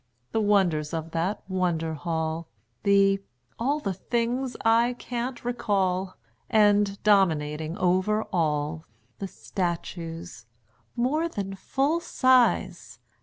The wonders of that wonder hall! The all the things I can't recall, And, dominating over all, The statues, more than full size.